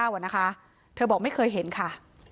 อ่ะนะคะเธอบอกไม่เคยเห็นค่ะ